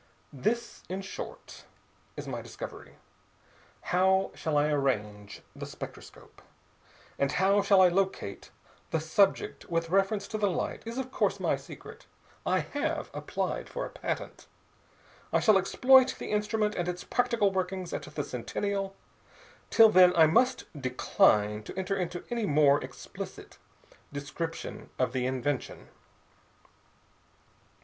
"This, in short, is my discovery. How I shall arrange the spectroscope, and how I shall locate the subject with reference to the light is of course my secret. I have applied for a patent. I shall exploit the instrument and its practical workings at the Centennial. Till then I must decline to enter into any more explicit description of the invention."